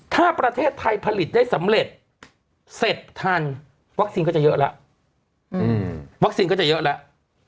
ถ้าประเทศไทยผลิตได้สำเร็จเสร็จทันวัคซีนก็จะเยอะแล้ว